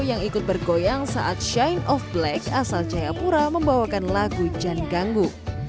yang ikut bergoyang saat shine of black asal cahayapura membawakan lagu jan ganggu